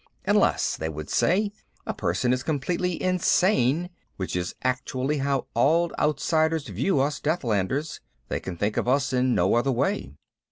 Unless, they would say, a person is completely insane, which is actually how all outsiders view us Deathlanders. They can think of us in no other way.